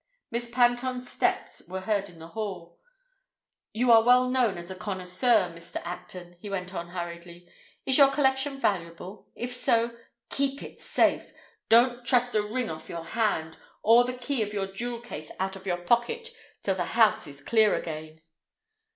Miss Panton's steps were heard in the hall. "You are well known as a connoisseur, Mr. Acton," he went on hurriedly. "Is your collection valuable? If so, keep it safe; don't trust a ring off your hand, or the key of your jewel case out of your pocket till the house is clear again."